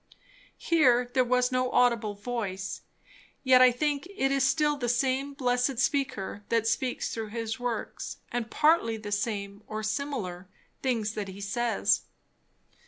Here there was no audible voice; yet I think it is still the same blessed Speaker that speaks through his works, and partly the same, or similar, things that he says.